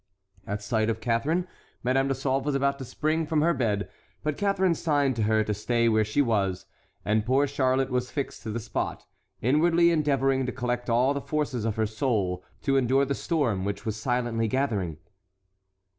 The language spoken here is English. At sight of Catharine, Madame de Sauve was about to spring from her bed, but Catharine signed to her to stay where she was; and poor Charlotte was fixed to the spot, inwardly endeavoring to collect all the forces of her soul to endure the storm which was silently gathering.